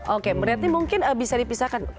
oke berarti mungkin bisa dipisahkan